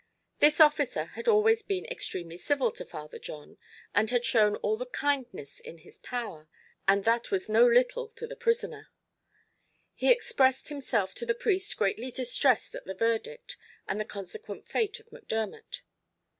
This officer had always been extremely civil to Father John; and had shown all the kindness in his power, and that was no little, to the prisoner. He expressed himself to the priest greatly distressed at the verdict, and the consequent fate of Macdermot.